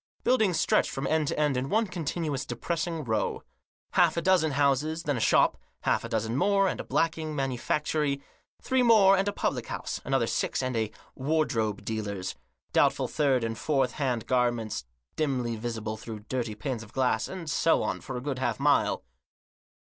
Buildings stretched from end to end in one continuous depres sing row. Half a dozen houses, then a shop ; half a dozen more, and a blacking manufactory ; three more, and a public house; another six and a "wardrobe dealer's," doubtful third and fourth hand garments dimly visible through dirty panes of glass, and so on, for a good half mile.